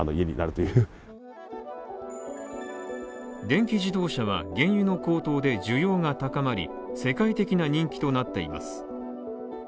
電気自動車は原油の高騰で需要が高まり、世界的な人気となっています。